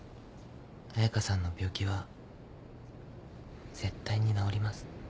彩佳さんの病気は絶対に治ります。